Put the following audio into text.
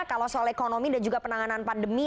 kalau soal ekonomi dan juga penanganan pandemi